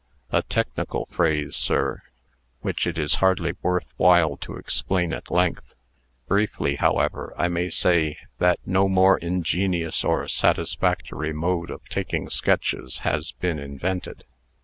"A technical phrase, sir, which it is hardly worth while to explain at length. Briefly, however, I may say, that no more ingenious or satisfactory mode of taking sketches has been invented."